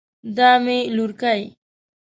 دا مې لورکۍ